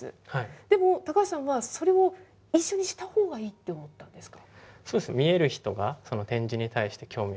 でも、高橋さんはそれを一緒にしたほうがいいと思ったんですか？